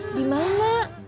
aku kecoh petan